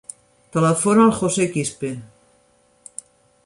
Telefona al José Quispe.